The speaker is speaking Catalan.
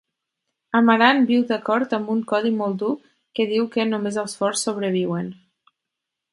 Amarant viu d'acord amb un codi molt dur que diu que "només els forts sobreviuen".